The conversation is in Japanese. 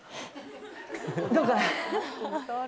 どうかな？